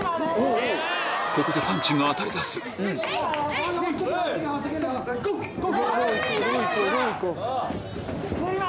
ここでパンチが当たりだす・ゴー！